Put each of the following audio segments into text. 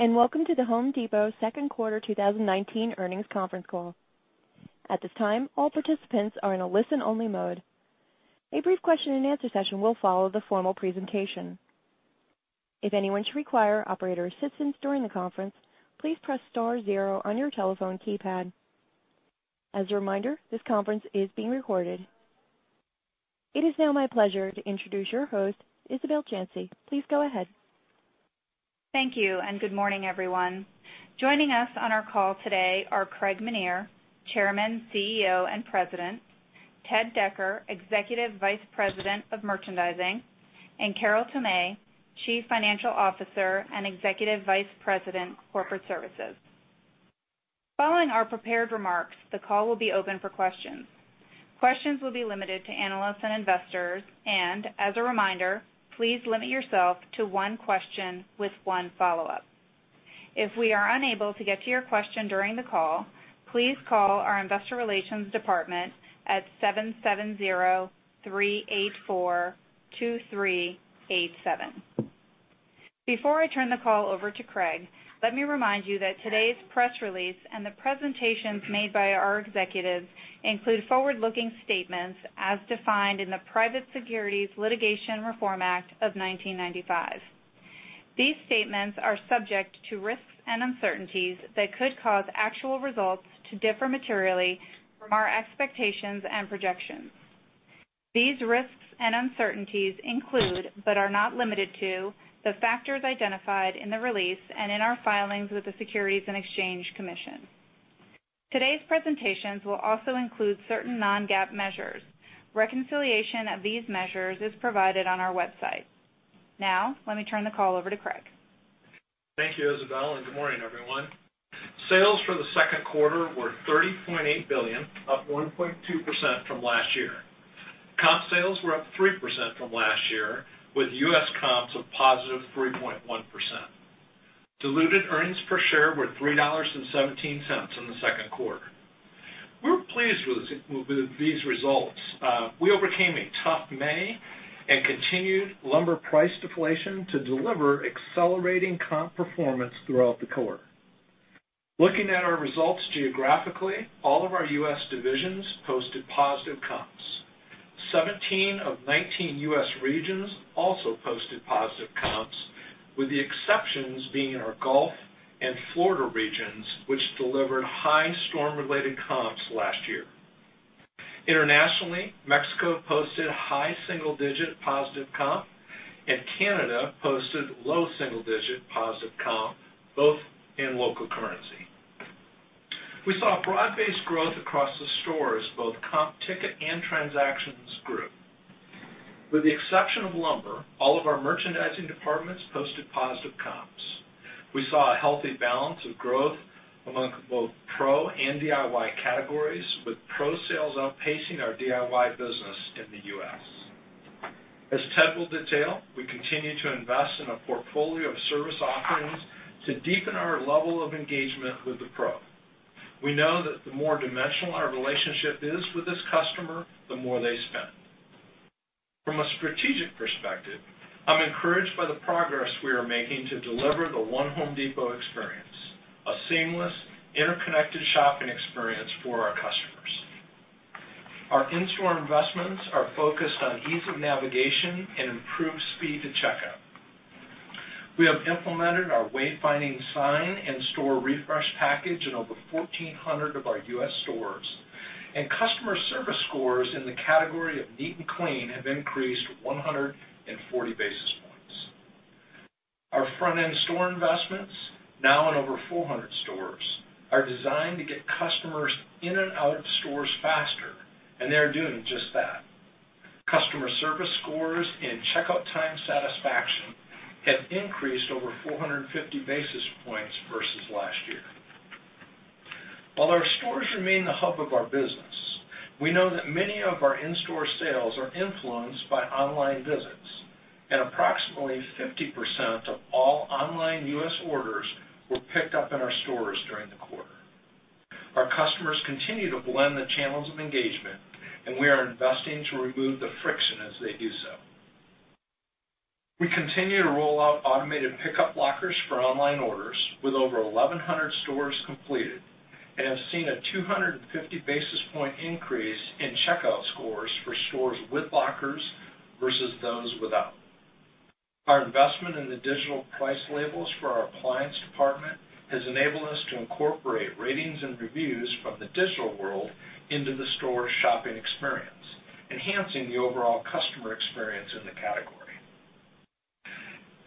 Thanks, welcome to The Home Depot second quarter 2019 earnings conference call. At this time, all participants are in a listen-only mode. A brief question-and-answer session will follow the formal presentation. If anyone should require operator assistance during the conference, please press star zero on your telephone keypad. As a reminder, this conference is being recorded. It is now my pleasure to introduce your host, Isabel Janci. Please go ahead. Thank you, and good morning, everyone. Joining us on our call today are Craig Menear, Chairman, CEO, and President, Ted Decker, Executive Vice President of Merchandising, and Carol Tomé, Chief Financial Officer and Executive Vice President, Corporate Services. Following our prepared remarks, the call will be open for questions. Questions will be limited to analysts and investors. As a reminder, please limit yourself to one question with one follow-up. If we are unable to get to your question during the call, please call our investor relations department at 770-384-2387. Before I turn the call over to Craig, let me remind you that today's press release and the presentations made by our executives include forward-looking statements as defined in the Private Securities Litigation Reform Act of 1995. These statements are subject to risks and uncertainties that could cause actual results to differ materially from our expectations and projections. These risks and uncertainties include, but are not limited to, the factors identified in the release and in our filings with the Securities and Exchange Commission. Today's presentations will also include certain non-GAAP measures. Reconciliation of these measures is provided on our website. Let me turn the call over to Craig. Thank you, Isabel, and good morning, everyone. Sales for the second quarter were $30.8 billion, up 1.2% from last year. Comp sales were up 3% from last year, with U.S. comps of positive 3.1%. Diluted earnings per share were $3.17 in the second quarter. We're pleased with these results. We overcame a tough May and continued lumber price deflation to deliver accelerating comp performance throughout the quarter. Looking at our results geographically, all of our U.S. divisions posted positive comps. 17 of 19 U.S. regions also posted positive comps, with the exceptions being in our Gulf and Florida regions, which delivered high storm-related comps last year. Internationally, Mexico posted high single-digit positive comp, and Canada posted low double-digit positive comp, both in local currency. We saw broad-based growth across the stores. Both comp ticket and transactions grew. With the exception of lumber, all of our merchandising departments posted positive comps. We saw a healthy balance of growth among both pro and DIY categories, with pro sales outpacing our DIY business in the U.S. As Ted will detail, we continue to invest in a portfolio of service offerings to deepen our level of engagement with the pro. We know that the more dimensional our relationship is with this customer, the more they spend. From a strategic perspective, I'm encouraged by the progress we are making to deliver the One Home Depot experience, a seamless, interconnected shopping experience for our customers. Our in-store investments are focused on ease of navigation and improved speed to checkout. We have implemented our way finding sign and store refresh package in over 1,400 of our U.S. stores, and customer service scores in the category of neat and clean have increased 140 basis points. Our front-end store investments, now in over 400 stores, are designed to get customers in and out of stores faster. They are doing just that. Customer service scores and checkout time satisfaction have increased over 450 basis points versus last year. While our stores remain the hub of our business, we know that many of our in-store sales are influenced by online visits. Approximately 50% of all online U.S. orders were picked up in our stores during the quarter. Our customers continue to blend the channels of engagement. We are investing to remove the friction as they do so. We continue to roll out automated pickup lockers for online orders, with over 1,100 stores completed and have seen a 250 basis point increase in checkout scores for stores with lockers versus those without. Our investment in the digital price labels for our appliance department has enabled us to incorporate ratings and reviews from the digital world into the store shopping experience, enhancing the overall customer experience in the category.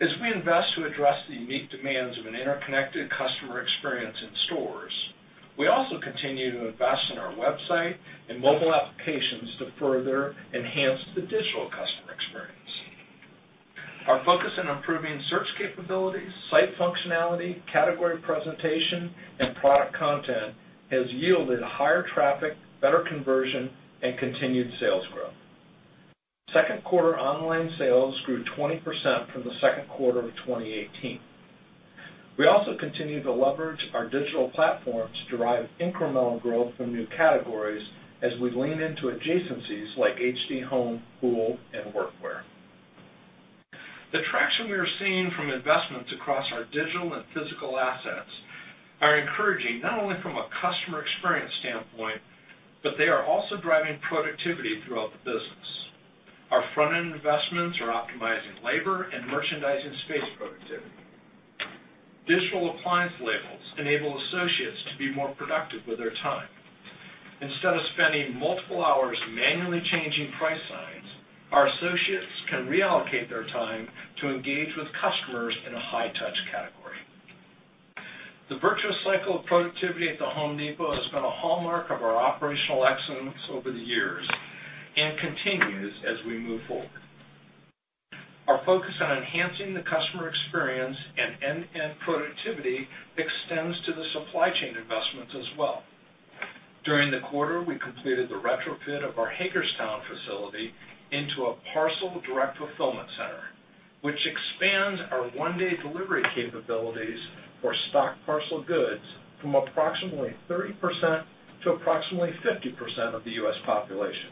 As we invest to address the unique demands of an interconnected customer experience in stores, we also continue to invest in our website and mobile applications to further enhance the digital customer experience. Our focus on improving search capabilities, site functionality, category presentation, and product content has yielded higher traffic, better conversion, and continued sales growth. Second quarter online sales grew 20% from the second quarter of 2018. We also continue to leverage our digital platform to derive incremental growth from new categories as we lean into adjacencies like HD Home, Pool, and Workwear. The traction we are seeing from investments across our digital and physical assets are encouraging, not only from a customer experience standpoint, but they are also driving productivity throughout the business. Our front-end investments are optimizing labor and merchandising space productivity. Digital appliance labels enable associates to be more productive with their time. Instead of spending multiple hours manually changing price signs, our associates can reallocate their time to engage with customers in a high-touch category. The virtuous cycle of productivity at The Home Depot has been a hallmark of our operational excellence over the years and continues as we move forward. Our focus on enhancing the customer experience and end-to-end productivity extends to the supply chain investments as well. During the quarter, we completed the retrofit of our Hagerstown facility into a parcel direct fulfillment center, which expands our one-day delivery capabilities for stock parcel goods from approximately 30% to approximately 50% of the U.S. population.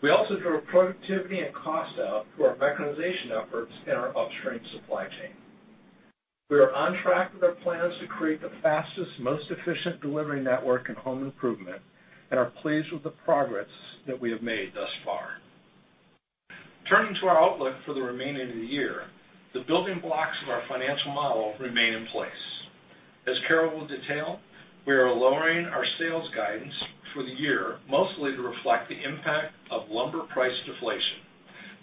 We also drove productivity and cost out through our mechanization efforts in our upstream supply chain. We are on track with our plans to create the fastest, most efficient delivery network in home improvement and are pleased with the progress that we have made thus far. Turning to our outlook for the remaining of the year, the building blocks of our financial model remain in place. As Carol will detail, we are lowering our sales guidance for the year, mostly to reflect the impact of lumber price deflation,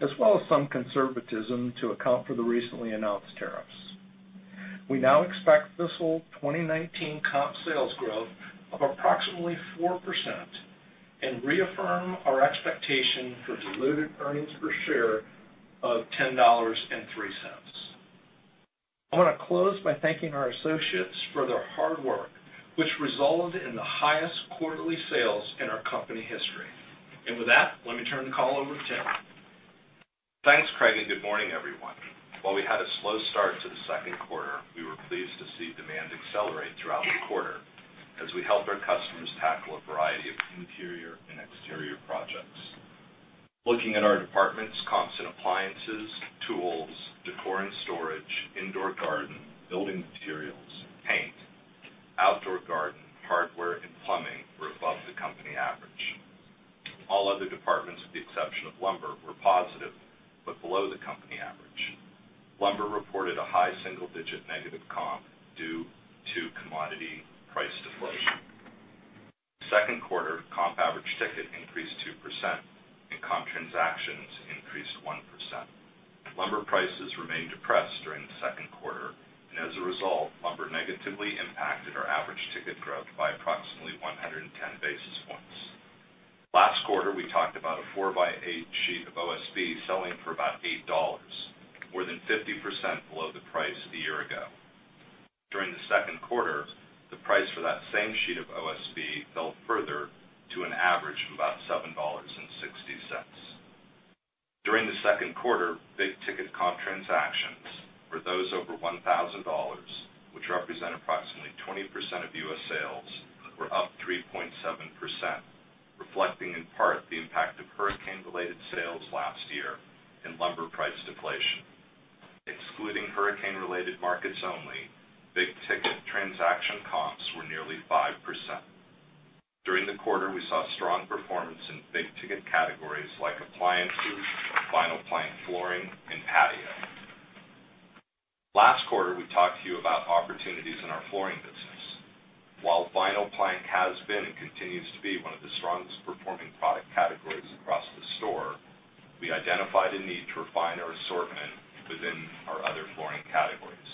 as well as some conservatism to account for the recently announced tariffs. We now expect fiscal 2019 comp sales growth of approximately 4% and reaffirm our expectation for diluted earnings per share of $10.03. I want to close by thanking our associates for their hard work, which resulted in the highest quarterly sales in our company history. With that, let me turn the call over to Ted. Thanks, Craig, and good morning, everyone. While we had a slow start to the second quarter, we were pleased to see demand accelerate throughout the quarter as we helped our customers tackle a variety of interior and exterior projects. Looking at our departments, comps in appliances, tools, decor and storage, indoor garden, building materials, paint, outdoor garden, hardware, and plumbing were above the company average. All other departments, with the exception of lumber, were positive, but below the company average. Lumber reported a high single-digit negative comp due to commodity price deflation. Second quarter comp average ticket increased 2%, and comp transactions increased 1%. Lumber prices remained depressed during the second quarter, and as a result, lumber negatively impacted our average ticket growth by approximately 110 basis points. Last quarter, we talked about a 4x8 sheet of OSB selling for about $8, more than 50% below the price a year ago. During the second quarter, the price for that same sheet of OSB fell further to an average of about $7.60. During the second quarter, big-ticket comp transactions for those over $1,000, which represent approximately 20% of U.S. sales, were up 3.7%, reflecting in part the impact of hurricane-related sales last year and lumber price deflation. Excluding hurricane-related markets only, big-ticket transaction comps were nearly 5%. During the quarter, we saw strong performance in big-ticket categories like appliances, vinyl plank flooring, and patio. Last quarter, we talked to you about opportunities in our flooring business. While vinyl plank has been and continues to be one of the strongest-performing product categories across the store, we identified a need to refine our assortment within our other flooring categories.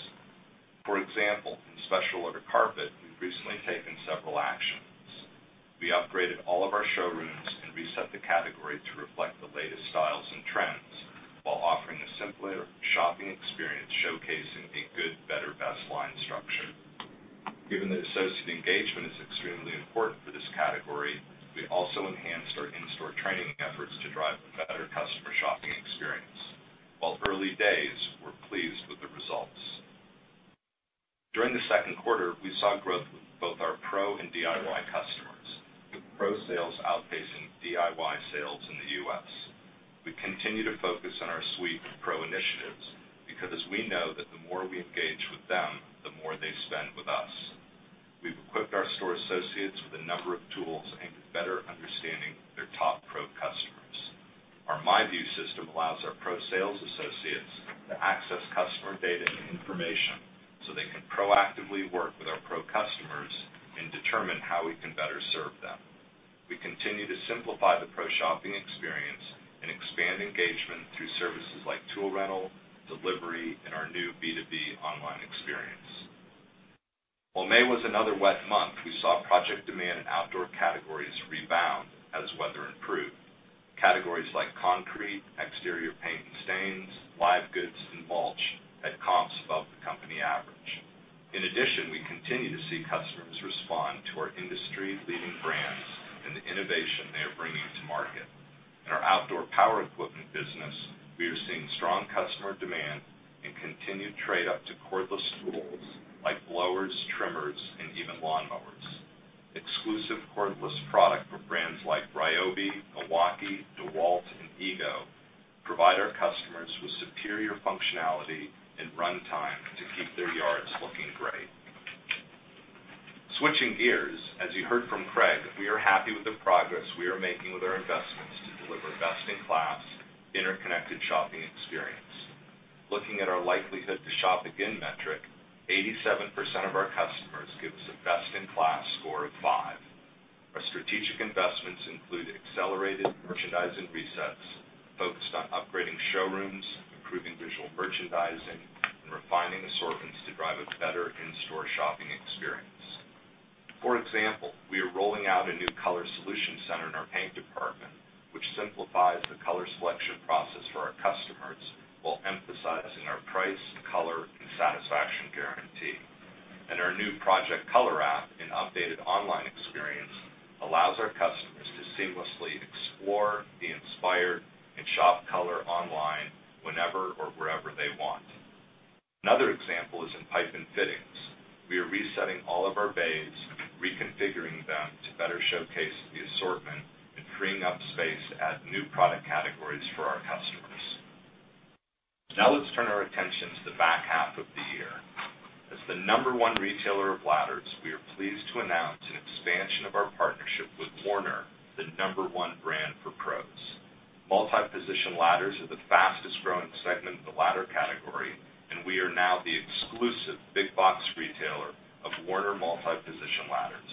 For example, in special order carpet, we've recently taken several actions. We upgraded all of our showrooms and reset the category to reflect the latest styles and trends while offering a simpler shopping experience showcasing a good-better-best line structure. Given that associate engagement is extremely important for this category, we also enhanced our in-store training efforts to drive a better customer shopping experience. While early days, we're pleased with the results. During the second quarter, we saw growth with both our pro and DIY customers, with pro sales outpacing DIY sales in the U.S. We continue to focus on our suite of pro initiatives because as we know that the more we engage with them, the more they spend with us. We've equipped our store associates with a number of tools aimed at better understanding their top pro customers. Our MyView system allows our pro sales associates to access customer data and information so they can proactively work with our pro customers and determine how we can better serve them. We continue to simplify the pro shopping experience and expand engagement through services like tool rental, delivery, and our new B2B online experience. While May was another wet month, we saw project demand in outdoor categories rebound as weather improved. Categories like concrete, exterior paint and stains, live goods, and mulch had comps above the company average. We continue to see customers respond to our industry-leading brands and the innovation they are bringing to market. In our outdoor power equipment business, we are seeing strong customer demand and continued trade up to Ryobi, Milwaukee, DeWalt, and EGO provide our customers with superior functionality and runtime to keep their yards looking great. Switching gears, as you heard from Craig, we are happy with the progress we are making with our investments to deliver best-in-class, interconnected shopping experience. Looking at our likelihood to shop again metric, 87% of our customers give us a best-in-class score of 5. Our strategic investments include accelerated merchandising resets focused on upgrading showrooms, improving visual merchandising, and refining assortments to drive a better in-store shopping experience. For example, we are rolling out a new color solution center in our paint department, which simplifies the color selection process for our customers while emphasizing our price, color, and satisfaction guarantee. Our new Project Color app and updated online experience allows our customers to seamlessly explore, be inspired, and shop color online whenever or wherever they want. Another example is in pipe and fittings. We are resetting all of our bays, reconfiguring them to better showcase the assortment, and freeing up space to add new product categories for our customers. Let's turn our attention to the back half of the year. As the number 1 retailer of ladders, we are pleased to announce an expansion of our partnership with Werner, the number 1 brand for pros. Multi-position ladders are the fastest-growing segment of the ladder category, and we are now the exclusive big box retailer of Werner multi-position ladders.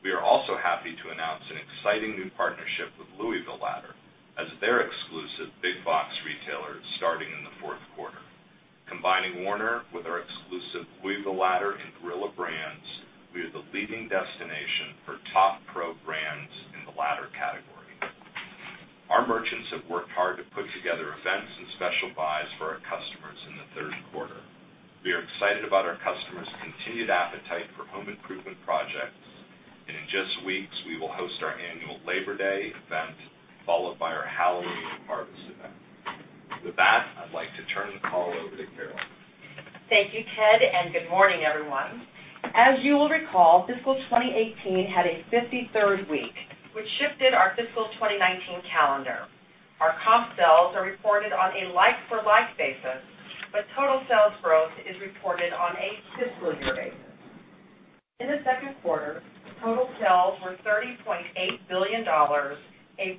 We are also happy to announce an exciting new partnership with Louisville Ladder as their exclusive big box retailer starting in the 4th quarter. Combining Werner with our exclusive Louisville Ladder and Gorilla brands, we are the leading destination for top pro brands in the ladder category. Our merchants have worked hard to put together events and special buys for our customers in the third quarter. In just weeks, we will host our annual Labor Day event, followed by our Halloween Harvest event. With that, I'd like to turn the call over to Carol. Thank you, Ted. Good morning, everyone. As you will recall, fiscal 2018 had a 53rd week, which shifted our fiscal 2019 calendar. Our comp sales are reported on a like-for-like basis, but total sales growth is reported on a fiscal year basis. In the second quarter, total sales were $30.8 billion, a 1.2%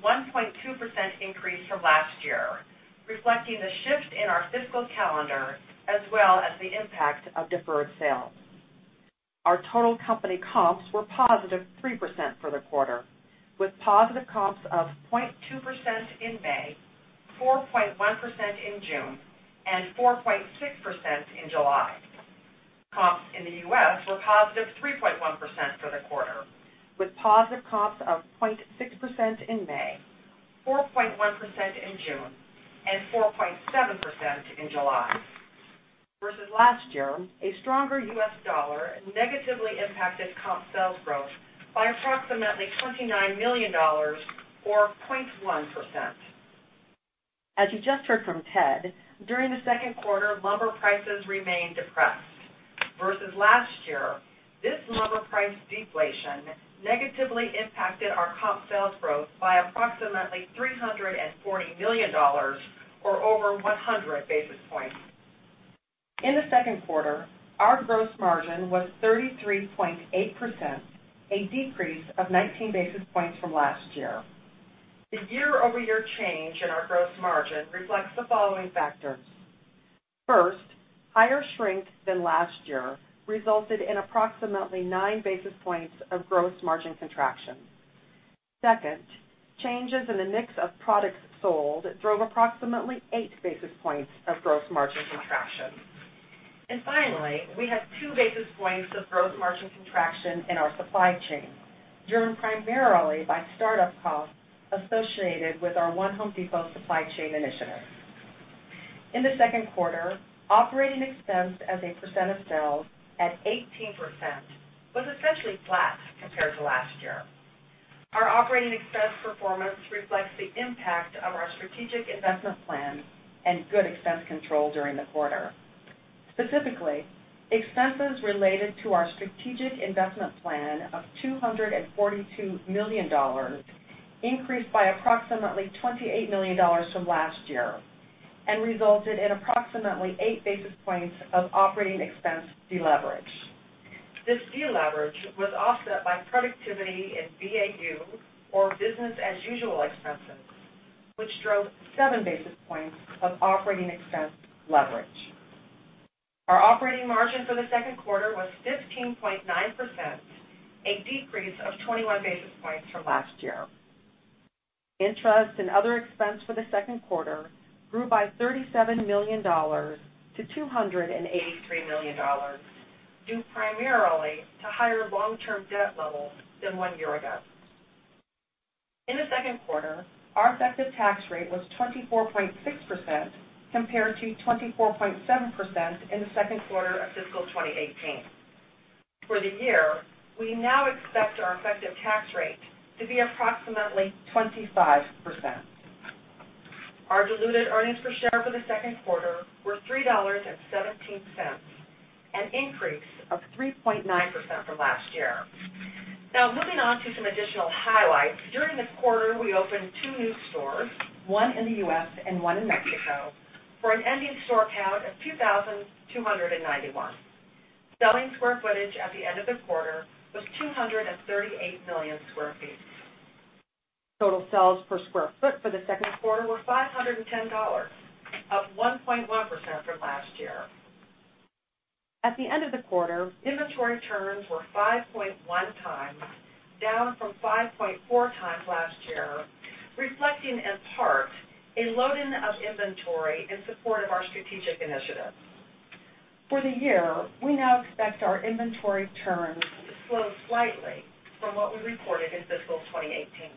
increase from last year, reflecting the shift in our fiscal calendar as well as the impact of deferred sales. Our total company comps were positive 3% for the quarter, with positive comps of 0.2% in May, 4.1% in June, and 4.6% in July. Comps in the U.S. were positive 3.1% for the quarter, with positive comps of 0.6% in May, 4.1% in June, and 4.7% in July. Versus last year, a stronger U.S. dollar negatively impacted comp sales growth by approximately $29 million, or 0.1%. As you just heard from Ted, during the second quarter, lumber prices remained depressed. Versus last year, this lumber price deflation negatively impacted our comp sales growth by approximately $340 million, or over 100 basis points. In the second quarter, our gross margin was 33.8%, a decrease of 19 basis points from last year. The year-over-year change in our gross margin reflects the following factors. First, higher shrink than last year resulted in approximately nine basis points of gross margin contraction. Second, changes in the mix of products sold drove approximately eight basis points of gross margin contraction. Finally, we had two basis points of gross margin contraction in our supply chain, driven primarily by startup costs associated with our One Home Depot supply chain initiative. In the second quarter, operating expense as a percent of sales at 18% was essentially flat compared to last year. Our operating expense performance reflects the impact of our strategic investment plan and good expense control during the quarter. Specifically, expenses related to our strategic investment plan of $242 million increased by approximately $28 million from last year and resulted in approximately eight basis points of operating expense deleverage. This deleverage was offset by productivity in BAU, or business as usual, expenses, which drove seven basis points of operating expense leverage. Our operating margin for the second quarter was 15.9%, a decrease of 21 basis points from last year. Interest and other expense for the second quarter grew by $37 million to $283 million, due primarily to higher long-term debt levels than one year ago. In the second quarter, our effective tax rate was 24.6% compared to 24.7% in the second quarter of fiscal 2018. For the year, we now expect our effective tax rate to be approximately 25%. Our diluted earnings per share for the second quarter were $3.17, an increase of 3.9% from last year. Now moving on to some additional highlights. During the quarter, we opened two new stores, one in the U.S. and one in Mexico, for an ending store count of 2,291. Selling square footage at the end of the quarter was 238 million sq ft. Total sales per sq ft for the second quarter were $510, up 1.1% from last year. At the end of the quarter, inventory turns were 5.1 times, down from 5.4 times last year, reflecting, in part, a loading of inventory in support of our strategic initiatives. For the year, we now expect our inventory turns to slow slightly from what we recorded in fiscal 2018.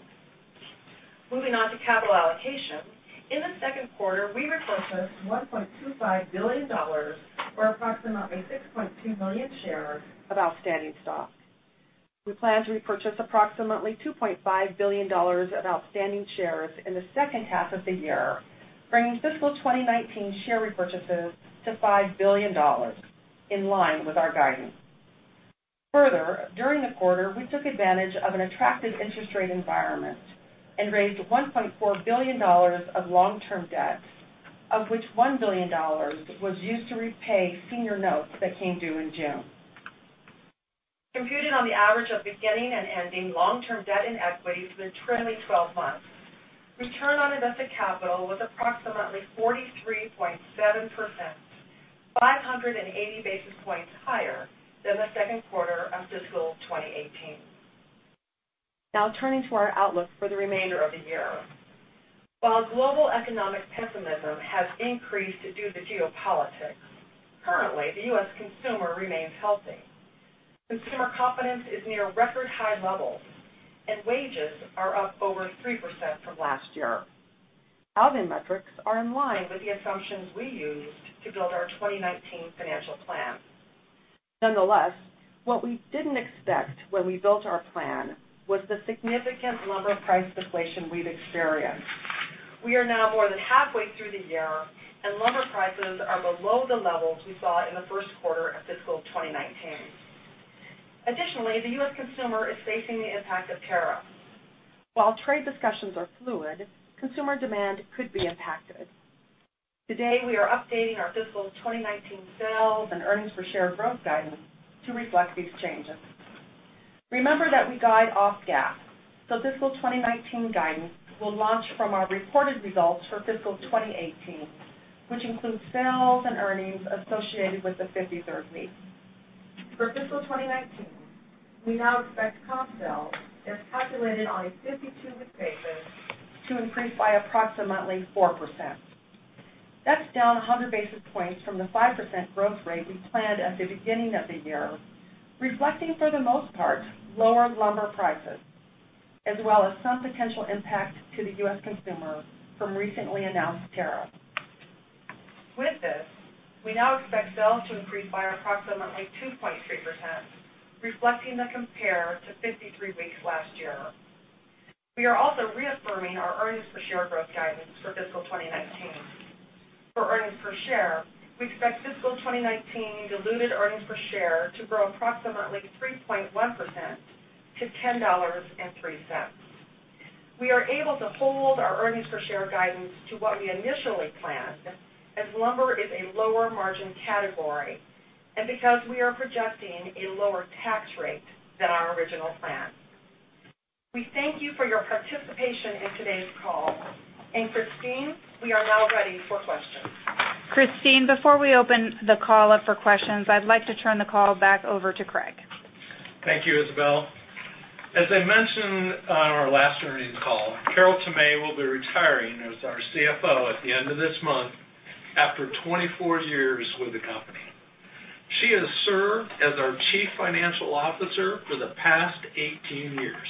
Moving on to capital allocation. In the second quarter, we repurchased $1.25 billion, or approximately 6.2 million shares of outstanding stock. We plan to repurchase approximately $2.5 billion of outstanding shares in the second half of the year, bringing fiscal 2019 share repurchases to $5 billion, in line with our guidance. During the quarter, we took advantage of an attractive interest rate environment and raised $1.4 billion of long-term debt, of which $1 billion was used to repay senior notes that came due in June. Computed on the average of beginning and ending long-term debt and equity for the trailing 12 months, return on invested capital was approximately 43.7%, 580 basis points higher than the second quarter of fiscal 2018. Turning to our outlook for the remainder of the year. While global economic pessimism has increased due to geopolitics, currently, the U.S. consumer remains healthy. Consumer confidence is near record-high levels, and wages are up over 3% from last year. Out in metrics are in line with the assumptions we used to build our 2019 financial plan. Nonetheless, what we didn't expect when we built our plan was the significant lumber price deflation we've experienced. We are now more than halfway through the year, and lumber prices are below the levels we saw in the first quarter of fiscal 2019. Additionally, the U.S. consumer is facing the impact of tariffs. While trade discussions are fluid, consumer demand could be impacted. Today, we are updating our fiscal 2019 sales and earnings per share growth guidance to reflect these changes. Remember that we guide off GAAP, so fiscal 2019 guidance will launch from our reported results for fiscal 2018, which includes sales and earnings associated with the fifty-third week. For fiscal 2019, we now expect comp sales, as calculated on a 52-week basis, to increase by approximately 4%. That's down 100 basis points from the 5% growth rate we planned at the beginning of the year, reflecting, for the most part, lower lumber prices, as well as some potential impact to the U.S. consumer from recently announced tariffs. With this, we now expect sales to increase by approximately 2.3%, reflecting the compare to 53 weeks last year. We are also reaffirming our earnings per share growth guidance for fiscal 2019. For earnings per share, we expect fiscal 2019 diluted earnings per share to grow approximately 3.1% to $10.03. We are able to hold our earnings per share guidance to what we initially planned as lumber is a lower margin category and because we are projecting a lower tax rate than our original plan. We thank you for your participation in today's call. Christine, we are now ready for questions. Christine, before we open the call up for questions, I'd like to turn the call back over to Craig. Thank you, Isabel. As I mentioned on our last earnings call, Carol Tomé will be retiring as our CFO at the end of this month after 24 years with the company. She has served as our chief financial officer for the past 18 years.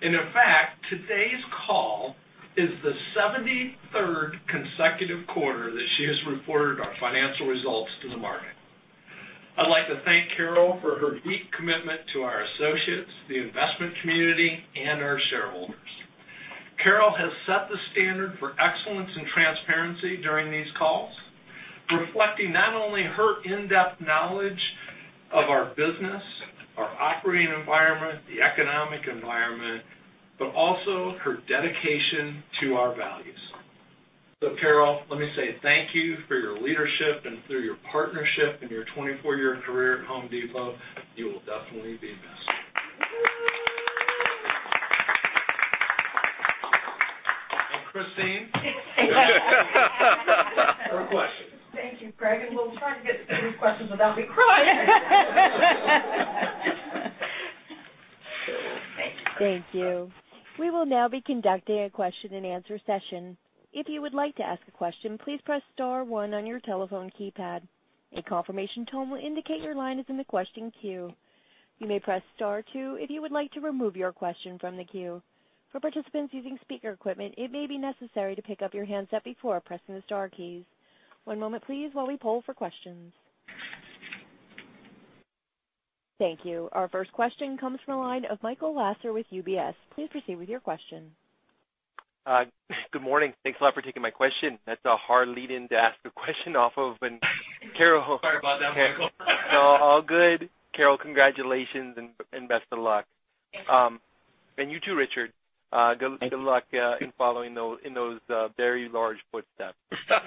In fact, today's call is the 73rd consecutive quarter that she has reported our financial results to the market. I'd like to thank Carol for her deep commitment to our associates, the investment community, and our shareholders. Carol has set the standard for excellence and transparency during these calls, reflecting not only her in-depth knowledge of our business, our operating environment, the economic environment, but also her dedication to our values. Carol, let me say thank you for your leadership and through your partnership and your 24-year career at The Home Depot, you will definitely be missed. Christine, for questions. Thank you, Craig. We'll try to get through these questions without me crying. Thank you, Craig. Thank you. We will now be conducting a question and answer session. If you would like to ask a question, please press star one on your telephone keypad. A confirmation tone will indicate your line is in the question queue. You may press star two if you would like to remove your question from the queue. For participants using speaker equipment, it may be necessary to pick up your handset before pressing the star keys. One moment please while we poll for questions. Thank you. Our first question comes from the line of Michael Lasser with UBS. Please proceed with your question. Good morning. Thanks a lot for taking my question. That's a hard lead-in to ask the question off of when Carol. Sorry about that, Michael. No, all good. Carol, congratulations and best of luck. Thank you. You too, Richard. Good luck in following in those very large footsteps. No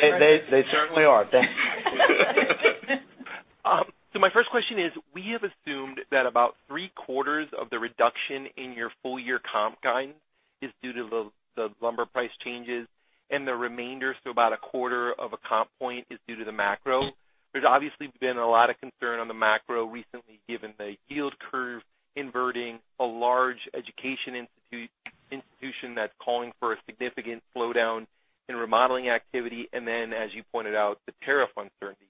pressure. They certainly are. Thanks. My first question is, we have assumed that about three-quarters of the reduction in your full-year comp guidance is due to the lumber price changes and the remainder, so about a quarter of a comp point is due to the macro. There's obviously been a lot of concern on the macro recently, given the yield curve inverting, a large education institution that's calling for a significant slowdown in remodeling activity, and then, as you pointed out, the tariff uncertainty.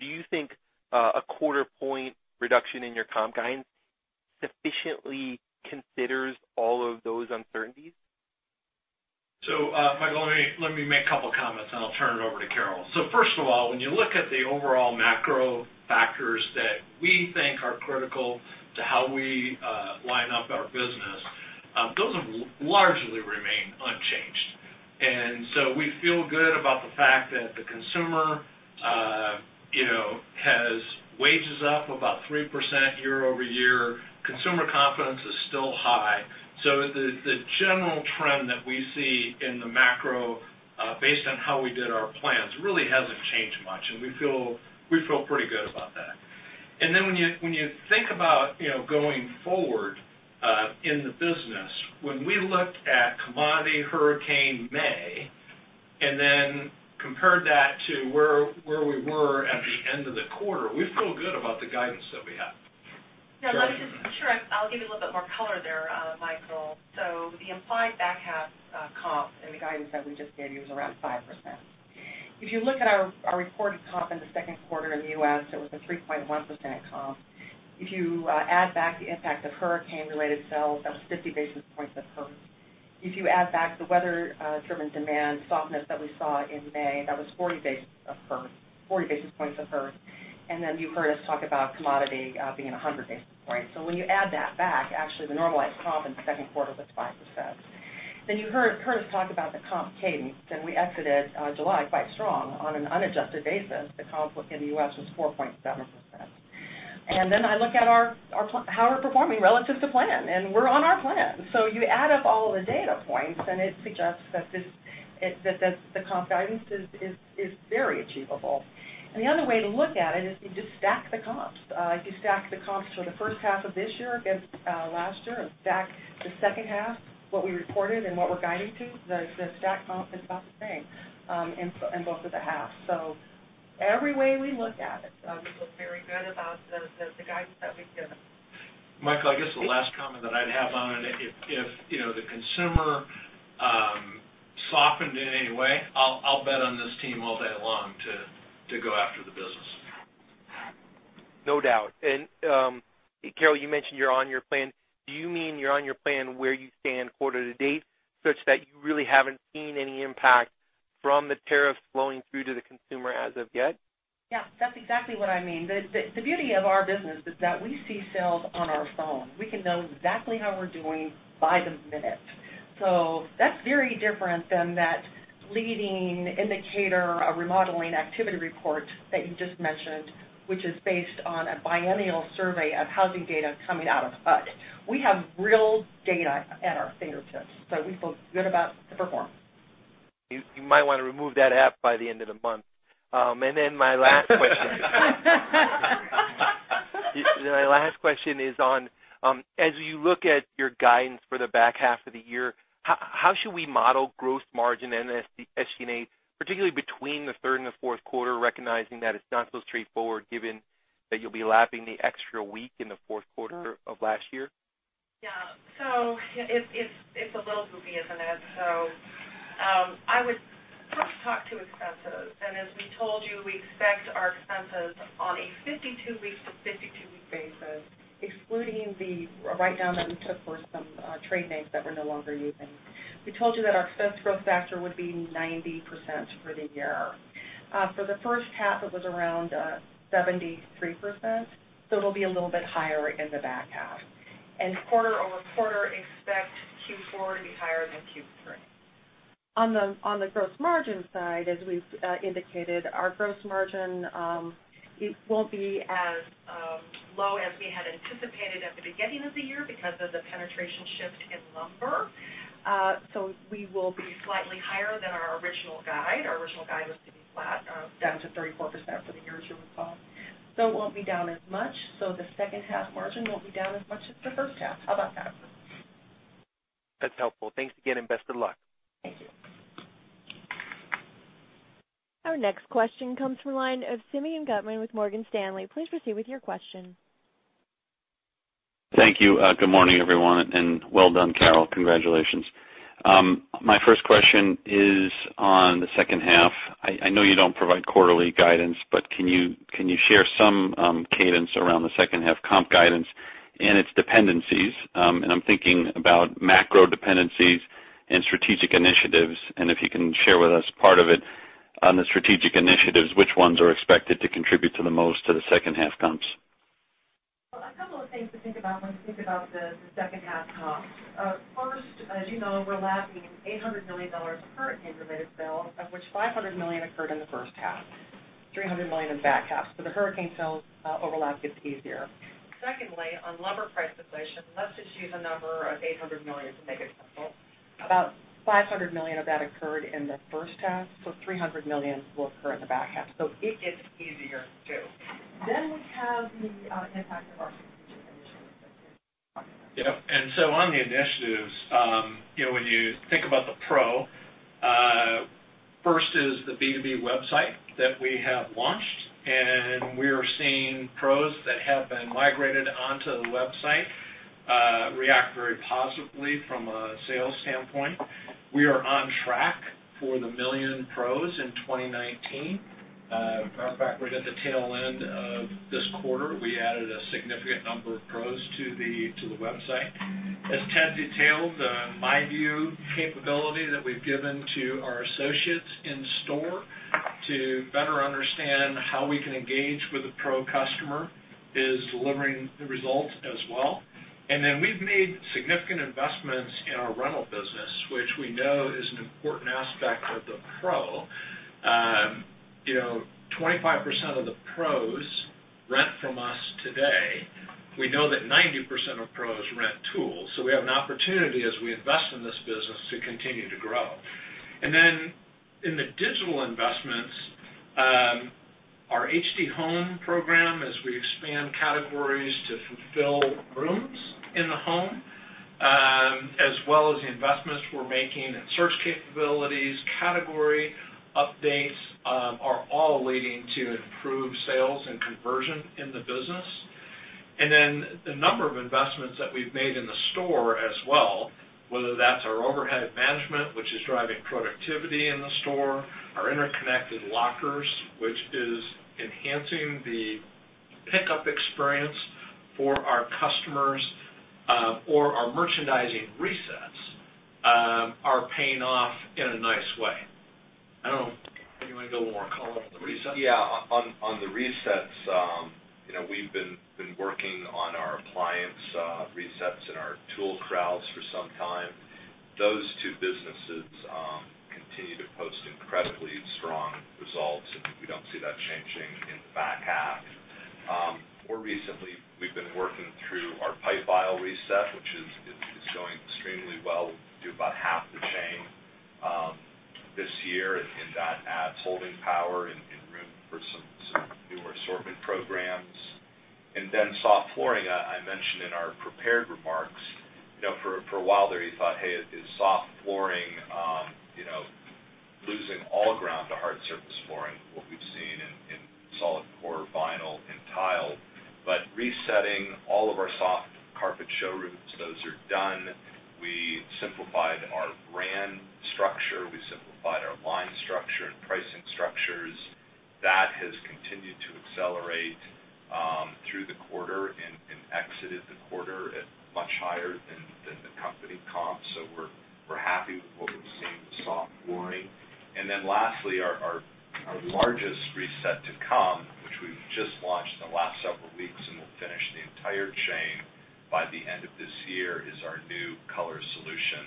Do you think a quarter-point reduction in your comp guidance sufficiently considers all of those uncertainties? Michael, let me make a couple of comments, and I'll turn it over to Carol. First of all, when you look at the overall macro factors that we think are critical to how we line up our business, those have largely remained unchanged. We feel good about the fact that the consumer has wages up about 3% year-over-year. Consumer confidence is still high. The general trend that we see in the macro, based on how we did our plans, really hasn't changed much. We feel pretty good about that. When you think about going forward in the business, when we looked at commodity hurricane in May, and then compared that to where we were at the end of the quarter, we feel good about the guidance that we have. Sure. I'll give you a little bit more color there, Michael. The implied back-half comps in the guidance that we just gave you is around 5%. If you look at our reported comp in the second quarter in the U.S., it was a 3.1% comp. If you add back the impact of hurricane-related sales, that was 50 basis points of hurt. If you add back the weather-driven demand softness that we saw in May, that was 40 basis points of hurt. You heard us talk about commodity being 100 basis points. When you add that back, actually the normalized comp in the second quarter was 5%. You heard Craig Menear talk about the comp cadence, we exited July quite strong. On an unadjusted basis, the comp in the U.S. was 4.7%. I look at how we're performing relative to plan, and we're on our plan. You add up all of the data points, and it suggests that the comp guidance is very achievable. The other way to look at it is if you just stack the comps. If you stack the comps for the first half of this year against last year and stack the second half, what we reported and what we're guiding to, the stacked comp is about the same in both of the halves. Every way we look at it, we feel very good about the guidance that we've given. Michael, I guess the last comment that I'd have on it, if the consumer softened in any way, I'll bet on this team all day long to go after the business. No doubt. Carol, you mentioned you're on your plan. Do you mean you're on your plan where you stand quarter to date, such that you really haven't seen any impact from the tariffs flowing through to the consumer as of yet? Yeah. That's exactly what I mean. The beauty of our business is that we see sales on our phone. We can know exactly how we're doing by the minute. That's very different than that leading indicator of remodeling activity report that you just mentioned, which is based on a biennial survey of housing data coming out of HUD. We have real data at our fingertips, so we feel good about the performance. You might want to remove that app by the end of the month. My last question is on, as you look at your guidance for the back half of the year, how should we model gross margin and SG&A, particularly between the third and the fourth quarter, recognizing that it's not so straightforward given that you'll be lapping the extra week in the fourth quarter of last year? Yeah. It's a little loopy, isn't it? I would first talk to expenses. As we told you, we expect our expenses on a 52-week to 52-week basis, excluding the write-down that we took for some trade names that we're no longer using. We told you that our expense growth factor would be 90% for the year. For the first half, it was around 73%, it'll be a little bit higher in the back half. Quarter-over-quarter, expect Q4 to be higher than Q3. On the gross margin side, as we've indicated, our gross margin won't be as low as we had anticipated at the beginning of the year because of the penetration shift in lumber. We will be slightly higher than our original guide. Our original guide was to be flat down to 34% for the year, as you recall. It won't be down as much. The second half margin won't be down as much as the first half. How about that? That's helpful. Thanks again, and best of luck. Thank you. Our next question comes from the line of Simeon Gutman with Morgan Stanley. Please proceed with your question. Thank you. Good morning, everyone, and well done, Carol. Congratulations. My first question is on the second half. I know you don't provide quarterly guidance, can you share some cadence around the second half comp guidance? Its dependencies, and I'm thinking about macro dependencies and strategic initiatives. If you can share with us part of it on the strategic initiatives, which ones are expected to contribute to the most to the second half comps? Well, a couple of things to think about when you think about the second half comps. First, as you know, we're lapping $800 million of hurricane-related sales, of which $500 million occurred in the first half, $300 million in the back half. The hurricane sales overlap gets easier. Secondly, on lumber price deflation, let's just use a number of $800 million to make it simple. About $500 million of that occurred in the first half, so $300 million will occur in the back half. It gets easier, too. We have the impact of our strategic initiatives that Ted talked about. Yep. On the initiatives, when you think about the pro, first is the B2B website that we have launched, and we are seeing pros that have been migrated onto the website react very positively from a sales standpoint. We are on track for the 1 million pros in 2019. As a matter of fact, we're at the tail end of this quarter. We added a significant number of pros to the website. As Ted detailed, the MyView capability that we've given to our associates in store to better understand how we can engage with a pro customer is delivering the results as well. We've made significant investments in our rental business, which we know is an important aspect of the pro. 25% of the pros rent from us today. We know that 90% of pros rent tools. We have an opportunity as we invest in this business to continue to grow. In the digital investments, our HD Home program, as we expand categories to fulfill rooms in the home, as well as the investments we're making in search capabilities, category updates, are all leading to improved sales and conversion in the business. The number of investments that we've made in the store as well, whether that's our overhead management, which is driving productivity in the store, our interconnected lockers, which is enhancing the pickup experience for our customers, or our merchandising resets, are paying off in a nice way. I don't know, Craig, you want to go a little more in depth on the resets? On the resets, we've been working on our appliance resets and our tool corrals for some time. Those two businesses continue to post incredibly strong results, and we don't see that changing in the back half. More recently, we've been working through our pipe aisle reset, which is going extremely well. We'll do about half the chain this year, and that adds holding power and room for some newer assortment programs. Soft flooring, I mentioned in our prepared remarks. For a while there, you thought, hey, is soft flooring losing all ground to hard surface flooring, what we've seen in solid core vinyl and tile. Resetting all of our soft carpet showrooms, those are done. We simplified our brand structure. We simplified our line structure and pricing structures. That has continued to accelerate through the quarter and exited the quarter at much higher than the company comps. We're happy with what we're seeing with soft flooring. Lastly, our largest reset to come, which we've just launched in the last several weeks and will finish the entire chain by the end of this year, is our new color solution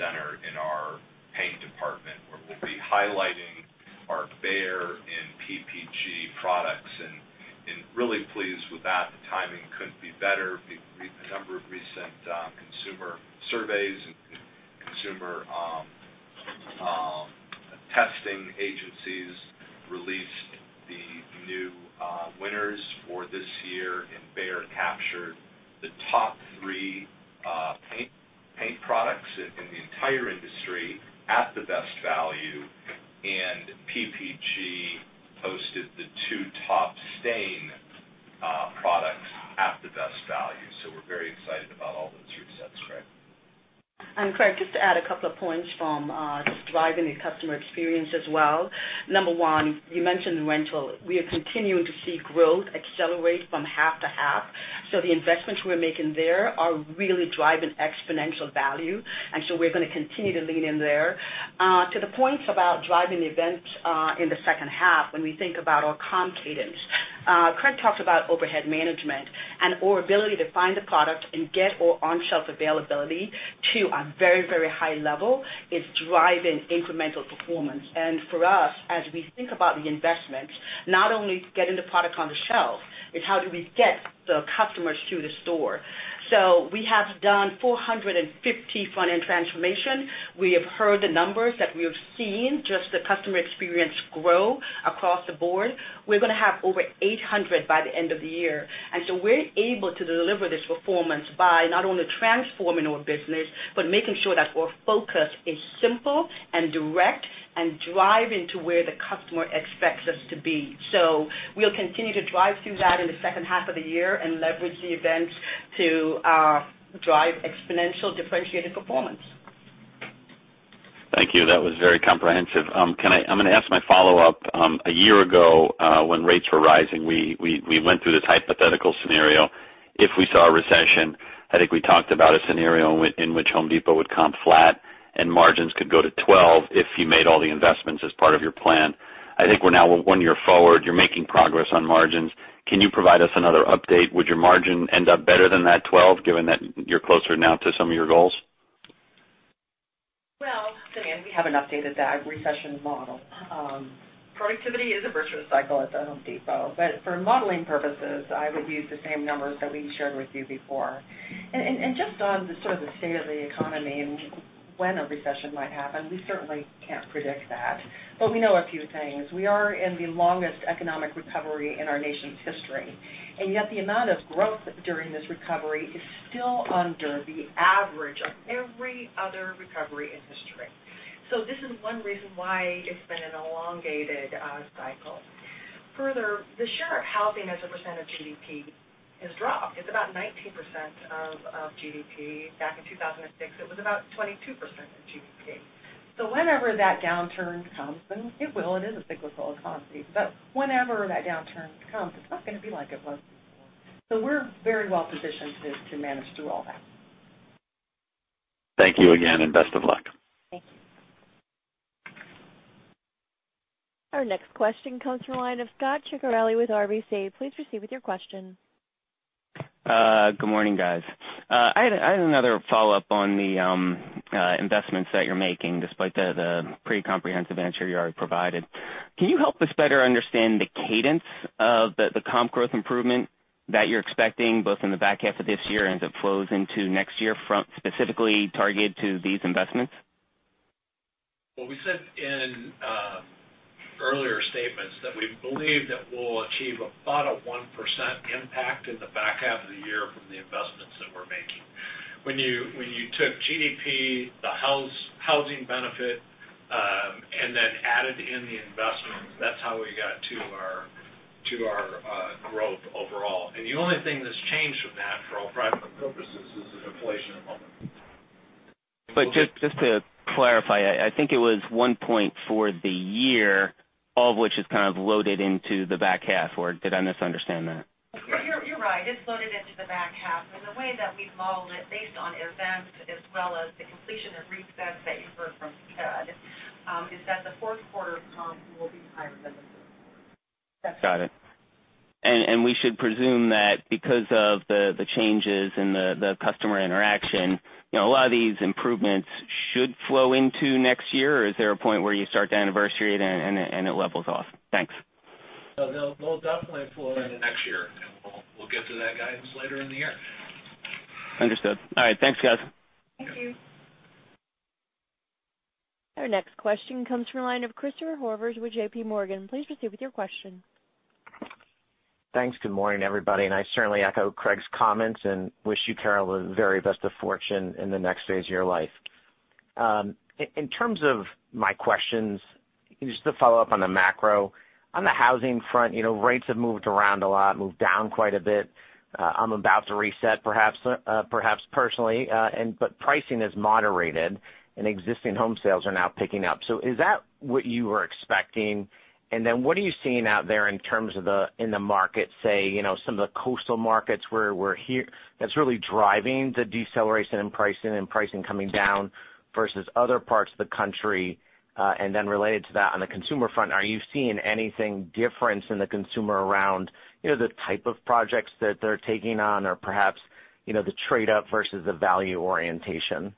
center in our paint department, where we'll be highlighting our Behr and PPG products. Really pleased with that. The timing couldn't be better. A number of recent consumer surveys and consumer testing agencies released the new winners for this year, and Behr captured the top three paint products in the entire industry at the best value, and PPG posted the two top stain products at the best value. We're very excited about all those resets, Craig. Craig, just to add a couple of points from just driving the customer experience as well. Number one, you mentioned the rental. We are continuing to see growth accelerate from half to half. The investments we're making there are really driving exponential value. We're going to continue to lean in there. To the points about driving events in the second half, when we think about our comp cadence. Craig talked about overhead management and our ability to find the product and get our on-shelf availability to a very high level is driving incremental performance. For us, as we think about the investments, not only getting the product on the shelf, it's how do we get the customers to the store. We have done 450 front-end transformation. We have heard the numbers that we have seen, just the customer experience grow across the board. We're going to have over 800 by the end of the year. We're able to deliver this performance by not only transforming our business, but making sure that our focus is simple and direct and driving to where the customer expects us to be. We'll continue to drive through that in the second half of the year and leverage the events to drive exponential differentiated performance. Thank you. That was very comprehensive. I'm going to ask my follow-up. A year ago, when rates were rising, we went through this hypothetical scenario if we saw a recession. I think we talked about a scenario in which Home Depot would comp flat and margins could go to 12% if you made all the investments as part of your plan. I think we're now one year forward. You're making progress on margins. Can you provide us another update? Would your margin end up better than that 12%, given that you're closer now to some of your goals? Well, Ted, we haven't updated that recession model. Productivity is a virtuous cycle at The Home Depot. For modeling purposes, I would use the same numbers that we shared with you before. Just on the state of the economy and when a recession might happen, we certainly can't predict that. We know a few things. We are in the longest economic recovery in our nation's history. Yet the amount of growth during this recovery is still under the average of every other recovery in history. This is one reason why it's been an elongated cycle. Further, the share of housing as a % of GDP has dropped. It's about 19% of GDP. Back in 2006, it was about 22% of GDP. Whenever that downturn comes, and it will, it is a cyclical economy, but whenever that downturn comes, it's not going to be like it was before. We're very well positioned to manage through all that. Thank you again, and best of luck. Thank you. Our next question comes from the line of Scot Ciccarelli with RBC. Please proceed with your question. Good morning, guys. I had another follow-up on the investments that you're making, despite the pretty comprehensive answer you already provided. Can you help us better understand the cadence of the comp growth improvement that you're expecting, both in the back half of this year and that flows into next year, specifically targeted to these investments? Well, we said in earlier statements that we believe that we'll achieve about a 1% impact in the back half of the year from the investments that we're making. When you took GDP, the housing benefit, and then added in the investments, that's how we got to our growth overall. The only thing that's changed from that, for all practical purposes, is the inflation environment. Just to clarify, I think it was one point for the year, all of which is kind of loaded into the back half, or did I misunderstand that? You're right. It's loaded into the back half. The way that we've modeled it, based on events as well as the completion of resets that you heard from Ted, is that the fourth quarter comp will be higher than the third quarter. Got it. We should presume that because of the changes in the customer interaction, a lot of these improvements should flow into next year? Or is there a point where you start to anniversary it and it levels off? Thanks. They'll definitely flow into next year, and we'll get to that guidance later in the year. Understood. All right. Thanks, guys. Thank you. Our next question comes from the line of Christopher Horvers with JPMorgan. Please proceed with your question. Thanks. Good morning, everybody. I certainly echo Craig's comments and wish you, Carol, the very best of fortune in the next phase of your life. In terms of my questions, just to follow up on the macro. On the housing front, rates have moved around a lot, moved down quite a bit. I'm about to reset, perhaps, personally. Pricing has moderated, and existing home sales are now picking up. Is that what you were expecting? What are you seeing out there in terms of in the market, say, some of the coastal markets that's really driving the deceleration in pricing and pricing coming down versus other parts of the country. Related to that, on the consumer front, are you seeing anything different in the consumer around the type of projects that they're taking on or perhaps, the trade-up versus the value orientation?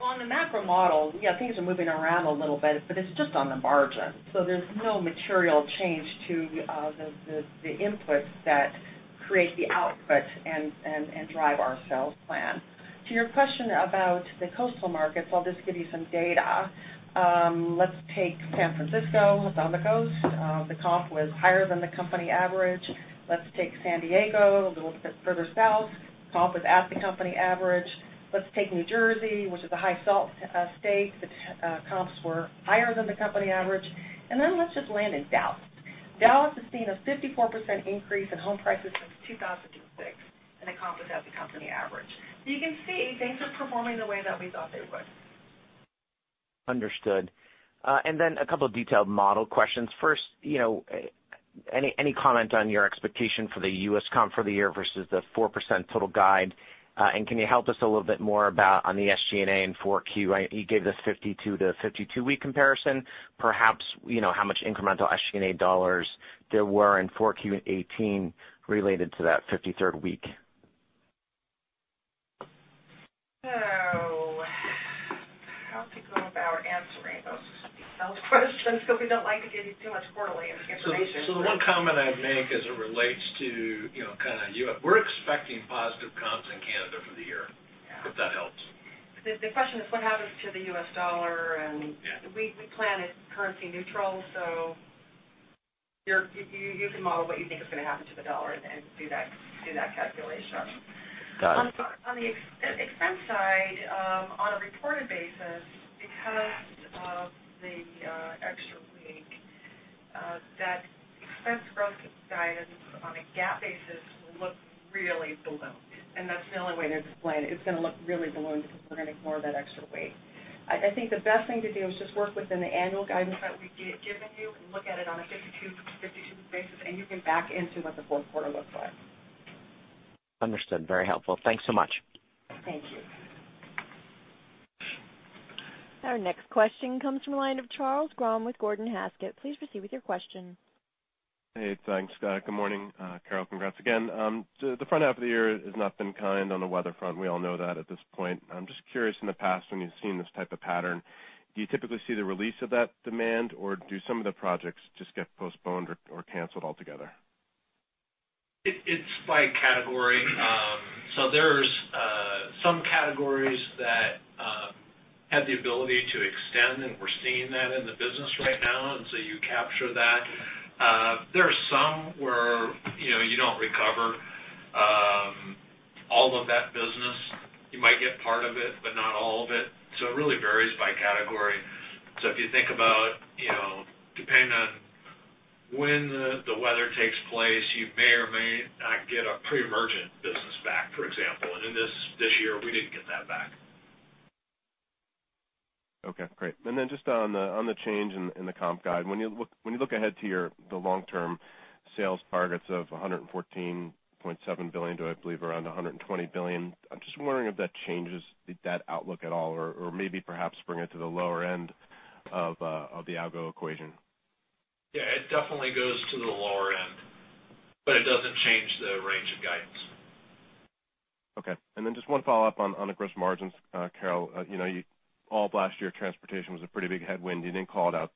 On the macro model, yeah, things are moving around a little bit, but it's just on the margin. There's no material change to the inputs that create the output and drive our sales plan. To your question about the coastal markets, I'll just give you some data. Let's take San Francisco. It's on the coast. The comp was higher than the company average. Let's take San Diego, a little bit further south. Comp is at the company average. Let's take New Jersey, which is a high-SALT state. The comps were higher than the company average. Let's just land in Dallas. Dallas has seen a 54% increase in home prices since 2006, and the comp was at the company average. You can see things are performing the way that we thought they would. Understood. Then a couple of detailed model questions. First, any comment on your expectation for the U.S. comp for the year versus the 4% total guide? Can you help us a little bit more about on the SG&A in 4Q? You gave this 52 to 52 week comparison. Perhaps how much incremental SG&A dollars there were in 4Q18 related to that 53rd week? How to go about answering those detailed questions because we don't like to give you too much quarterly information. The one comment I'd make as it relates to We're expecting positive comps in Canada for the year. Yeah. If that helps. The question is what happens to the U.S. dollar. Yeah. We plan it currency neutral, you can model what you think is going to happen to the dollar and do that calculation. Got it. On the expense side, on a reported basis, that basis will look really ballooned. That's the only way to explain it. It's going to look really ballooned because we're going to ignore that extra weight. I think the best thing to do is just work within the annual guidance that we've given you and look at it on a 52-week basis. You can back into what the fourth quarter looks like. Understood. Very helpful. Thanks so much. Thank you. Our next question comes from the line of Charles Grom with Gordon Haskett. Please proceed with your question. Hey, thanks. Good morning, Carol. Congrats again. The front half of the year has not been kind on the weather front. We all know that at this point. I'm just curious, in the past, when you've seen this type of pattern, do you typically see the release of that demand, or do some of the projects just get postponed or canceled altogether? It's by category. There's some categories that have the ability to extend, we're seeing that in the business right now, you capture that. There are some where you don't recover all of that business. You might get part of it, but not all of it. It really varies by category. If you think about, depending on when the weather takes place, you may or may not get a pre-emergent business back, for example. In this year, we didn't get that back. Okay, great. Just on the change in the comp guide, when you look ahead to the long-term sales targets of $114.7 billion to, I believe, around $120 billion, I'm just wondering if that changes that outlook at all or maybe perhaps bring it to the lower end of the algo equation. Yeah, it definitely goes to the lower end, but it doesn't change the range of guidance. Okay. Just one follow-up on the gross margins, Carol. All of last year, transportation was a pretty big headwind. You didn't call it out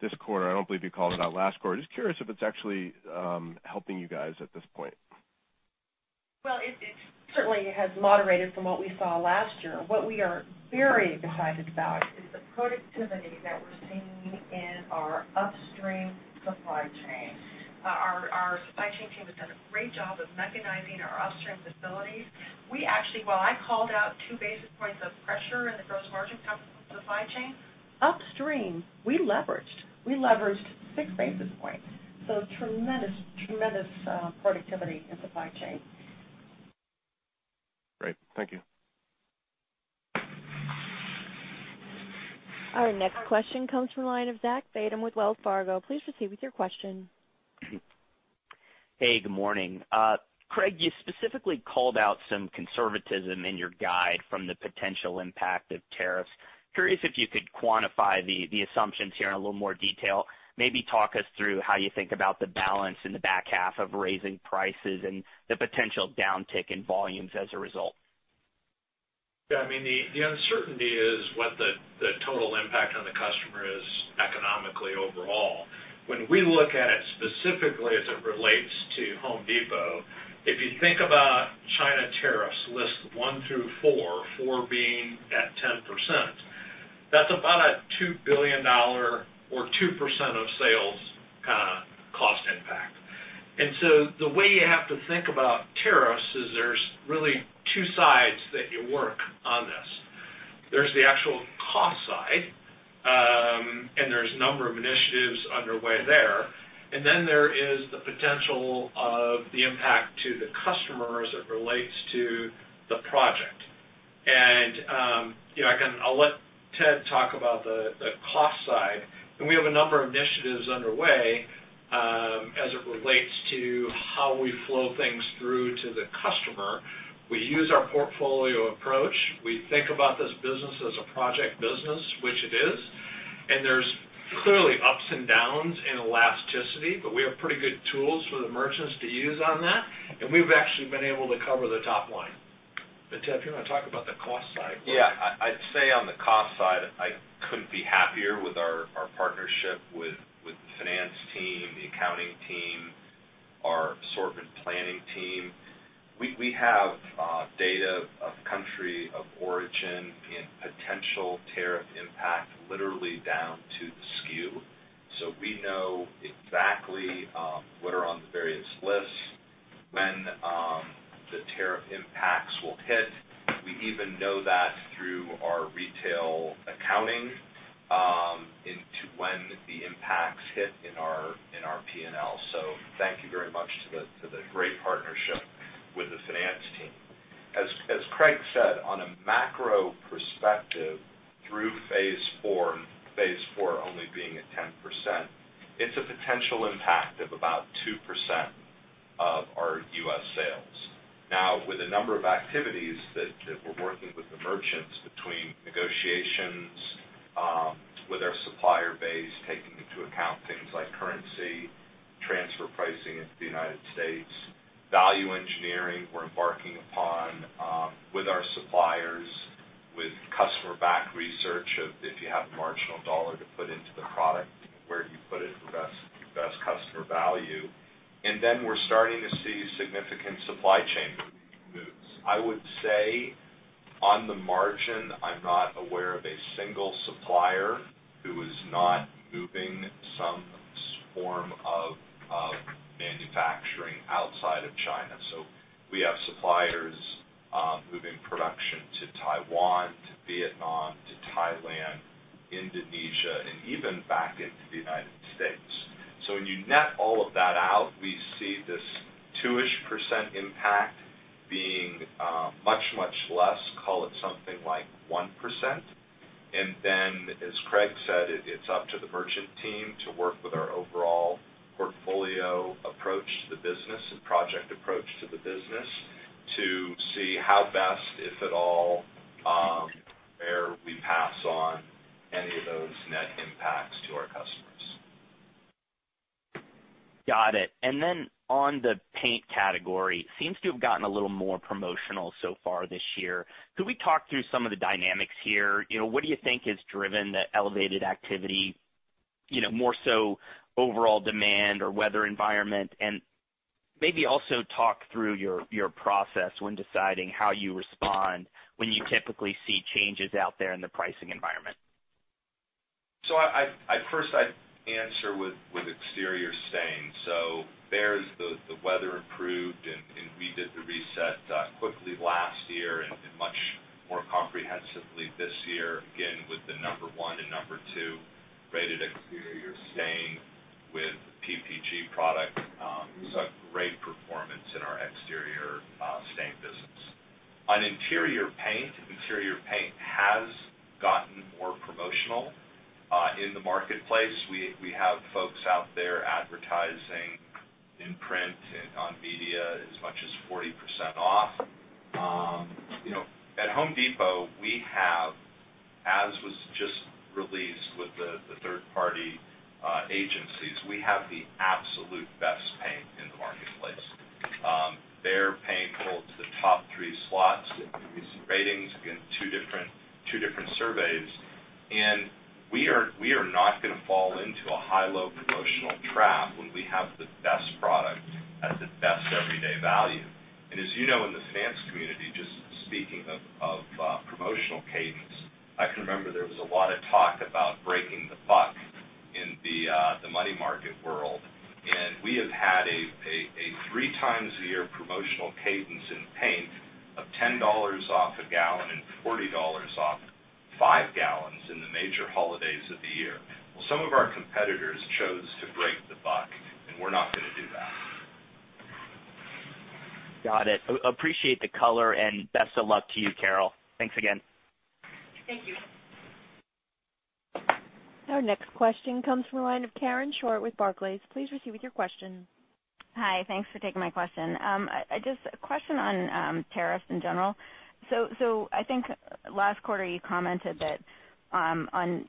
this quarter. I don't believe you called it out last quarter. Just curious if it's actually helping you guys at this point. Well, it certainly has moderated from what we saw last year. What we are very excited about is the productivity that we're seeing in our upstream supply chain. Our supply chain team has done a great job of mechanizing our upstream facilities. While I called out 2 basis points of pressure in the gross margin comp supply chain, upstream, we leveraged 6 basis points, so tremendous productivity in supply chain. Great. Thank you. Our next question comes from the line of Zachary Fadem with Wells Fargo. Please proceed with your question. Hey, good morning. Craig, you specifically called out some conservatism in your guide from the potential impact of tariffs. Curious if you could quantify the assumptions here in a little more detail, maybe talk us through how you think about the balance in the back half of raising prices and the potential downtick in volumes as a result? Yeah, the uncertainty is what the total impact on the customer is economically overall. When we look at it specifically as it relates to The Home Depot, if you think about China tariffs list one through four being at 10%, that's about a $2 billion or 2% of sales kind of cost impact. The way you have to think about tariffs is there's really two sides that you work on this. There's the actual cost side, and there's a number of initiatives underway there. Then there is the potential of the impact to the customer as it relates to the project. I'll let Ted talk about the cost side. We have a number of initiatives underway, as it relates to how we flow things through to the customer. We use our portfolio approach. We think about this business as a project business, which it is, and there's clearly ups and downs in elasticity, but we have pretty good tools for the merchants to use on that, and we've actually been able to cover the top line. Ted, do you want to talk about the cost side? Yeah. I'd say on the cost side, I couldn't be happier with our partnership with the finance team, the accounting team, our assortment planning team. We have data of country of origin and potential tariff impact literally down to the SKU, so we know exactly what are on the various lists, when the tariff impacts will hit. We even know that through our retail accounting, into when the impacts hit in our P&L. Thank you very much to the great partnership with the finance team. As Craig said, on a macro perspective through phase four, phase four only being at 10%, it's a potential impact of about 2% of our U.S. sales. Now, with a number of activities that we're working with the merchants between negotiations with our supplier base, taking into account things like currency, transfer pricing into the United States, value engineering we're embarking upon with our suppliers with customer back research of if you have the marginal dollar to put into the product, where do you put it for best customer value. Then we're starting to see significant supply chain moves. I would say on the margin, I'm not aware of a single supplier who is not moving some form of manufacturing outside of China. We have suppliers moving production to Taiwan, to Vietnam, to Thailand, Indonesia, and even back into the United States. When you net all of that out, we see this two-ish% impact being much, much less, call it something like 1%. As Craig said, it's up to the merchant team to work with our overall portfolio approach to the business and project approach to the business to see how best, if at all, where we pass on any of those net impacts to our customers. Got it. On the paint category, seems to have gotten a little more promotional so far this year. Could we talk through some of the dynamics here? What do you think has driven the elevated activity, more so overall demand or weather environment? Maybe also talk through your process when deciding how you respond when you typically see changes out there in the pricing environment. First I'd answer with exterior stain. There, the weather improved, and we did the reset quickly last year and much more comprehensively this year, again, with the number 1 and number 2 rated exterior stain with PPG products. Saw great performance in our exterior stain business. On interior paint, interior paint has gotten more promotional. In the marketplace, we have folks out there advertising in print and on media as much as 40% off. At Home Depot, we have, as was just released with the third-party agencies, we have the absolute best paint in the marketplace. Behr paint holds the top 3 slots in recent ratings in two different surveys. We are not going to fall into a high-low promotional trap when we have the best product at the best everyday value. As you know, in the finance community, just speaking of promotional cadence, I can remember there was a lot of talk about breaking the buck in the money market world, we have had a three-times-a-year promotional cadence in paint of $10 off a gallon and $40 off five gallons in the major holidays of the year. Well, some of our competitors chose to break the buck, and we're not going to do that. Got it. Appreciate the color and best of luck to you, Carol. Thanks again. Thank you. Our next question comes from the line of Karen Short with Barclays. Please proceed with your question. Hi. Thanks for taking my question. Just a question on tariffs in general. I think last quarter you commented that on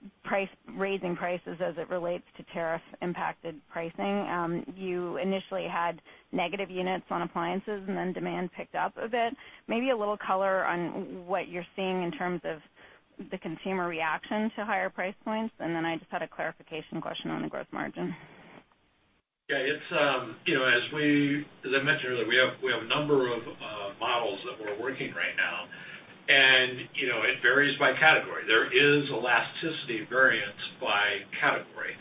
raising prices as it relates to tariff-impacted pricing, you initially had negative units on appliances, and then demand picked up a bit. Maybe a little color on what you're seeing in terms of the consumer reaction to higher price points. I just had a clarification question on the gross margin. As I mentioned earlier, we have a number of models that we're working right now. It varies by category. There is elasticity variance by category.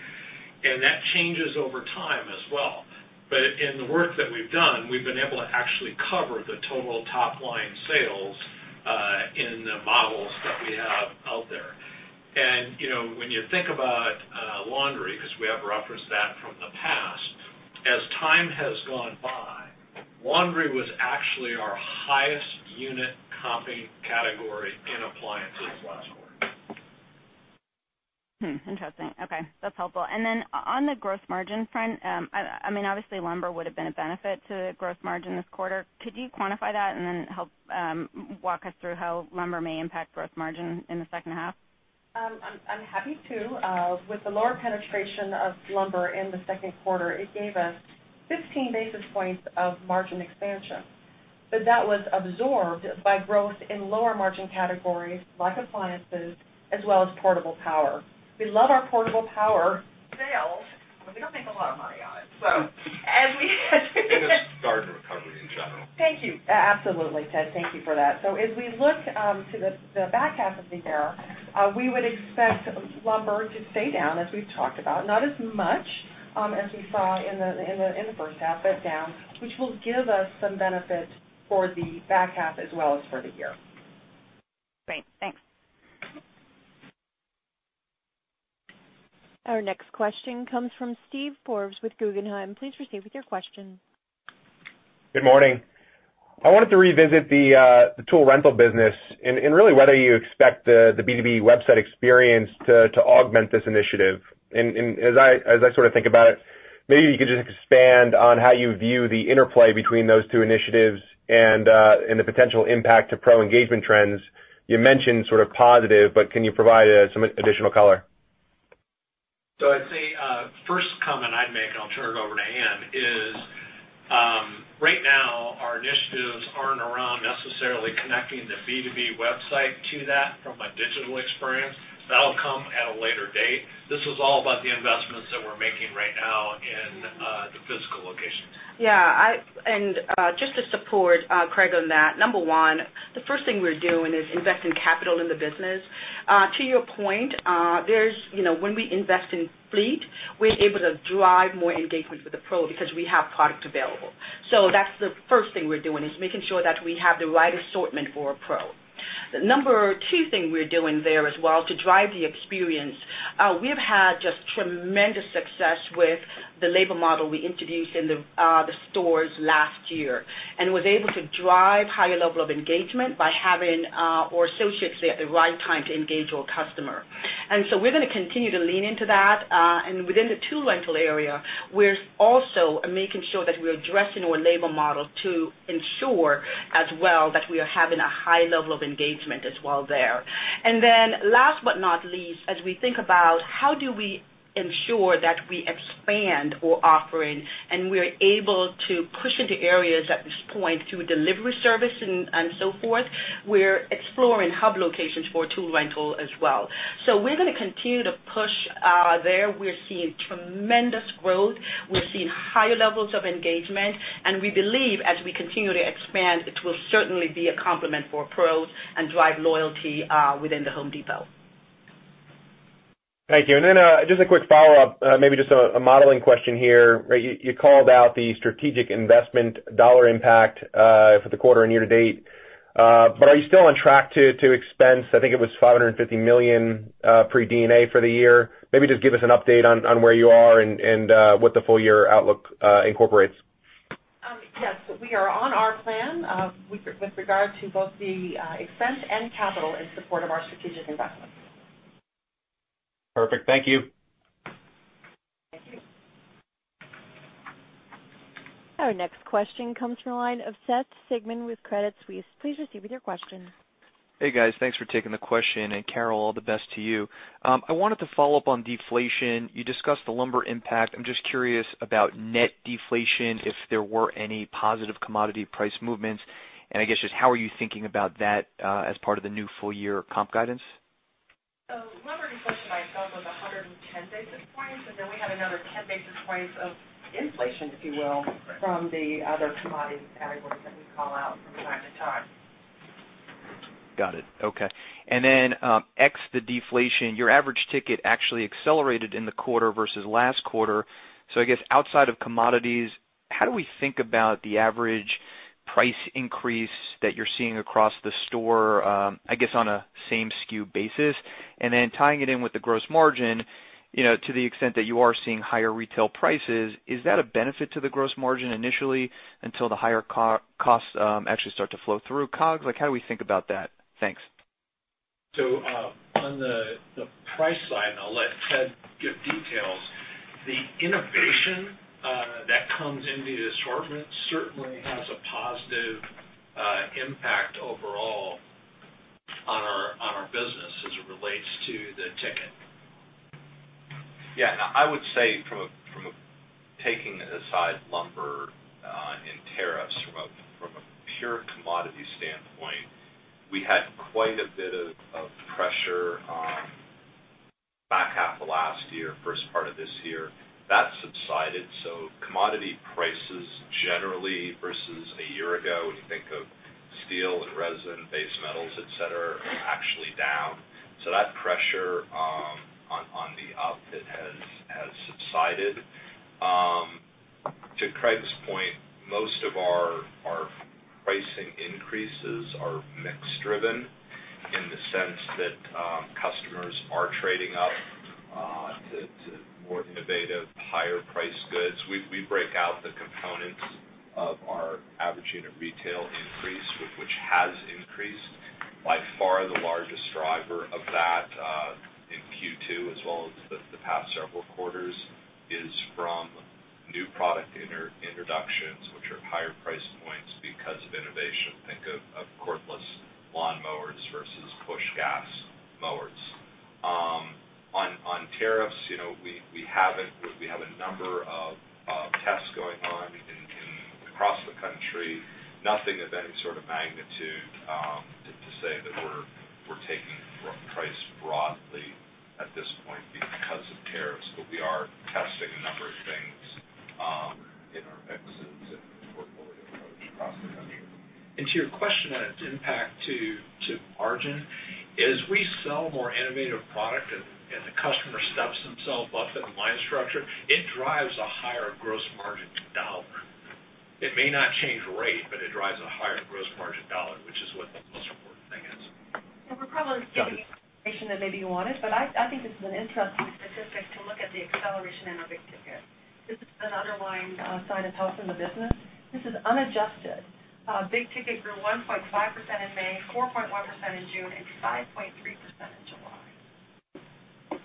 That changes over time as well. In the work that we've done, we've been able to actually cover the total top-line sales in the models that we have out there. When you think about laundry, because we have referenced that from the past, as time has gone by, laundry was actually our highest unit comping category in appliances last quarter. Interesting. Okay, that's helpful. Then on the gross margin front, obviously lumber would have been a benefit to gross margin this quarter. Could you quantify that and then help walk us through how lumber may impact gross margin in the second half? I'm happy to. With the lower penetration of lumber in the second quarter, it gave us 15 basis points of margin expansion. That was absorbed by growth in lower margin categories like appliances as well as portable power. We love our portable power sales, but we don't make a lot of money on it. It's garden recovery in general. Thank you. Absolutely, Ted. Thank you for that. As we look to the back half of the year, we would expect lumber to stay down, as we've talked about. Not as much as we saw in the first half, but down, which will give us some benefit for the back half as well as for the year. Great. Thanks. Our next question comes from Steven Forbes with Guggenheim. Please proceed with your question. Good morning. I wanted to revisit the tool rental business and really whether you expect the B2B website experience to augment this initiative. As I think about it, maybe you could just expand on how you view the interplay between those two initiatives and the potential impact to pro engagement trends. You mentioned positive, but can you provide some additional color? I'd say, first comment I'd make, and I'll turn it over to Ann, is right now our initiatives aren't around necessarily connecting the B2B website to that from a digital experience. That'll come at a later date. This was all about the investments that we're making right now in the physical locations. Yeah. Just to support Craig on that, number 1, the first thing we're doing is investing capital in the business. To your point, when we invest in fleet, we're able to drive more engagement with the pro because we have product available. That's the first thing we're doing, is making sure that we have the right assortment for a pro. The number 2 thing we're doing there as well to drive the experience, we have had just tremendous success with the labor model we introduced in the stores last year and was able to drive higher level of engagement by having our associates there at the right time to engage our customer. We're going to continue to lean into that. Within the tool rental area, we're also making sure that we're addressing our labor model to ensure as well that we are having a high level of engagement as well there. Last but not least, as we think about how do we ensure that we expand our offering and we're able to push into areas at this point through delivery service and so forth, we're exploring hub locations for tool rental as well. We're going to continue to push there. We're seeing tremendous growth. We're seeing higher levels of engagement, and we believe as we continue to expand, it will certainly be a complement for pros and drive loyalty within The Home Depot. Thank you. Just a quick follow-up, maybe just a modeling question here. You called out the strategic investment dollar impact, for the quarter and year to date. Are you still on track to expense, I think it was $550 million, pre-D&A for the year? Maybe just give us an update on where you are and what the full-year outlook incorporates. Yes. We are on our plan with regard to both the expense and capital in support of our strategic investments. Perfect. Thank you. Thank you. Our next question comes from the line of Seth Sigman with Credit Suisse. Please proceed with your question. Hey, guys. Thanks for taking the question. Carol, all the best to you. I wanted to follow up on deflation. You discussed the lumber impact. I'm just curious about net deflation, if there were any positive commodity price movements, and I guess just how are you thinking about that, as part of the new full-year comp guidance? Lumber deflation by itself was 110 basis points, and then we had another 10 basis points of inflation, if you will, from the other commodity categories that we call out from time to time. Got it. Okay. Ex the deflation, your average ticket actually accelerated in the quarter versus last quarter. I guess outside of commodities, how do we think about the average price increase that you're seeing across the store, I guess, on a same SKU basis? Tying it in with the gross margin, to the extent that you are seeing higher retail prices, is that a benefit to the gross margin initially until the higher costs actually start to flow through COGS? How do we think about that? Thanks. On the price side, and I'll let Ted give details, the innovation that comes into the assortment certainly has a positive impact overall on our business as it relates to the ticket. Yeah, I would say from taking aside lumber and tariffs, from a pure commodity standpoint, we had quite a bit of pressure back half of last year, first part of this year. That subsided. Commodity prices generally versus a year ago, when you think of steel and resin, base metals, et cetera, are actually down. That pressure on the up, it has subsided. To Craig's point, most of our pricing increases are mix-driven in the sense that customers are trading up to more innovative, higher-priced goods. We break out the components of our average unit retail increase, which has increased. By far the largest driver of that in Q2 as well as the past several quarters is from new product introductions, which are higher price points because of innovation. Think of cordless lawnmowers versus push gas mowers. On tariffs, we have a number of tests going on across the country. Nothing of any sort of magnitude, to say that we're taking price broadly at this point because of tariffs, but we are testing a number of things in our mix and portfolio approach across the country. To your question on its impact to margin, as we sell more innovative product and the customer steps themselves up in the line structure, it drives a higher gross margin dollar. It may not change rate, but it drives a higher gross margin dollar, which is what the most important thing is. We're probably giving information that maybe you wanted, but I think this is an interesting statistic to look at the acceleration in our big ticket. This is an underlying sign of health in the business. This is unadjusted. Big ticket grew 1.5% in May, 4.1% in June, and 5.3% in July.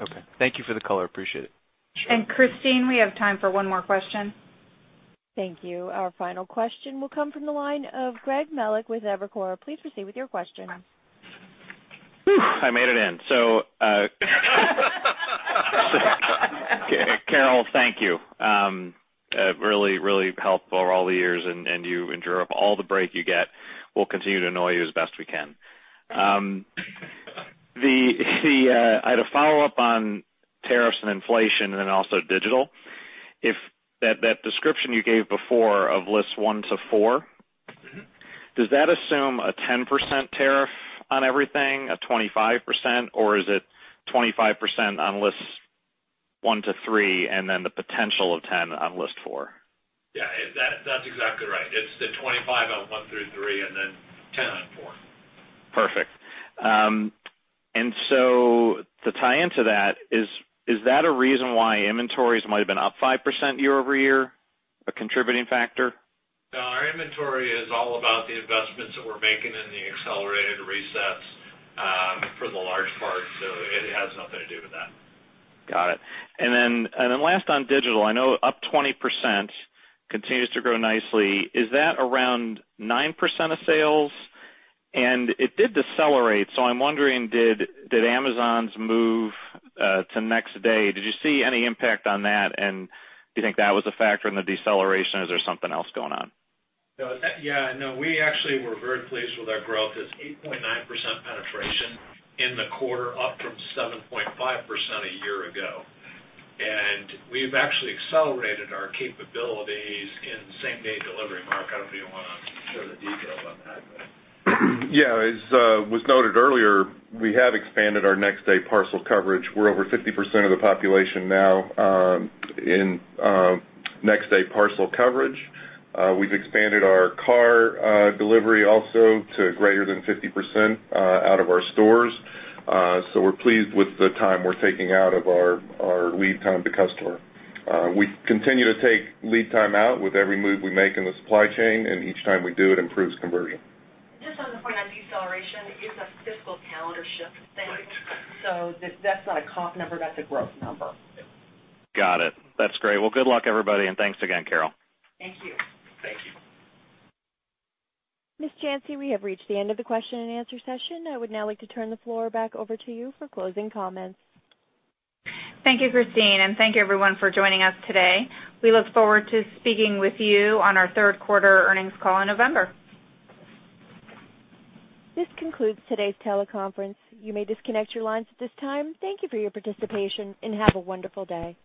Okay. Thank you for the color. Appreciate it. Sure. Christine, we have time for one more question. Thank you. Our final question will come from the line of Greg Melich with Evercore. Please proceed with your question. I made it in. Carol, thank you. Really helpful all the years, and you endure up all the break you get. We'll continue to annoy you as best we can. I had a follow-up on tariffs and inflation and then also digital. If that description you gave before of lists one to four. Does that assume a 10% tariff on everything, a 25%, or is it 25% on lists 1 to 3, and then the potential of 10 on list 4? Yeah, that's exactly right. It's the 25 on one through three and then 10 on four. Perfect. To tie into that, is that a reason why inventories might have been up 5% year-over-year, a contributing factor? No, our inventory is all about the investments that we're making in the accelerated resets for the large part, so it has nothing to do with that. Got it. Last on digital, I know up 20% continues to grow nicely. Is that around 9% of sales? It did decelerate, I'm wondering, did Amazon's move to Next Day, did you see any impact on that? Do you think that was a factor in the deceleration? Is there something else going on? Yeah. No, we actually were very pleased with our growth. It's 8.9% penetration in the quarter, up from 7.5% a year ago. We've actually accelerated our capabilities in same-day delivery. Mark, I don't know if you want to share the details on that. Yeah, as was noted earlier, we have expanded our Next Day parcel coverage. We're over 50% of the population now in Next Day parcel coverage. We've expanded our car delivery also to greater than 50% out of our stores. We're pleased with the time we're taking out of our lead time to customer. We continue to take lead time out with every move we make in the supply chain, and each time we do, it improves conversion. Just on the point on deceleration, it is a fiscal calendar shift thing. Right. That's not a comp number, that's a growth number. Got it. That's great. Well, good luck, everybody, and thanks again, Carol. Thank you. Thank you. Ms. Janci, we have reached the end of the question and answer session. I would now like to turn the floor back over to you for closing comments. Thank you, Christine, and thank you, everyone, for joining us today. We look forward to speaking with you on our third quarter earnings call in November. This concludes today's teleconference. You may disconnect your lines at this time. Thank you for your participation, and have a wonderful day.